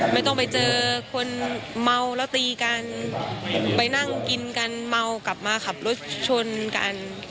ไม่ต้องไปเจอคนเมาแล้วตีกันไปนั่งกินกันเมากลับมาขับรถชนกัน